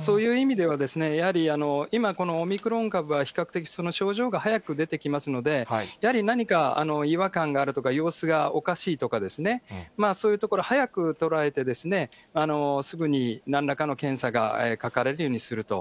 そういう意味では、やはり今、このオミクロン株は比較的症状が早く出てきますので、やはり何か、違和感があるとか、様子がおかしいとか、そういうところ、早く捉えて、すぐになんらかの検査がかかれるようにすると。